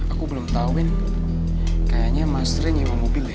aku belum tahu win kayaknya mas sering lima mobil ya